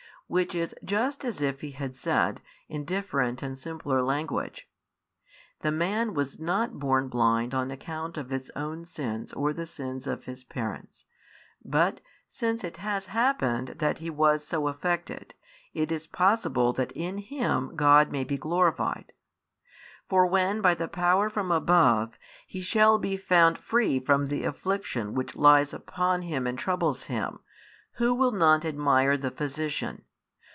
Which is just as if He had said, in different and simpler language: The man was not born blind on account of his own sins or the sins of his parents; but since it has happened that he was so affected, it is possible that in him God may be glorified. For when, by power from above, he shall be found free from the affliction which lies upon him and troubles him, who will not admire the Physician?